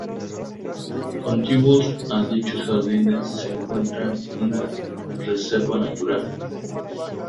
Contiguos a dichos jardines se encuentra una reserva natural.